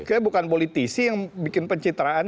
kayaknya bukan politisi yang bikin pencitraan